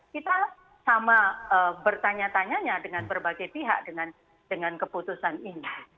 kita sama bertanya tanyanya dengan berbagai pihak dengan keputusan ini